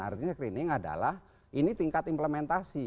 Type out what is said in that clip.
artinya screening adalah ini tingkat implementasi